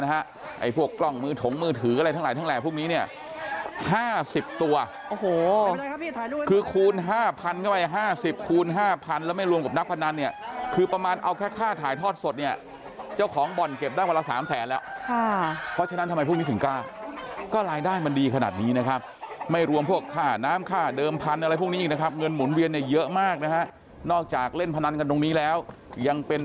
๕๐ตัวโอ้โหคือคูณ๕พันก็ไว้๕๐คูณ๕พันแล้วไม่รวมกับนักพนันเนี่ยคือประมาณเอาแค่ค่าถ่ายทอดสดเนี่ยเจ้าของบ่อนเก็บได้วันละ๓แสนแล้วเพราะฉะนั้นทำไมพวกนี้ถึงกล้าก็รายได้มันดีขนาดนี้นะครับไม่รวมพวกค่าน้ำค่าเดิมพันอะไรพวกนี้อีกนะครับเงินหมุนเวียนเนี่ยเยอะมากนะฮะนอกจากเล่น